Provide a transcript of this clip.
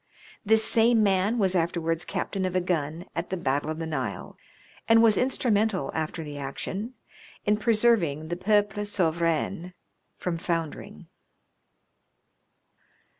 This same man was afterwards captain of a gun at the Battle of the Nile, and was instrumental after the action in preserving the Peuple Souverain from foundering.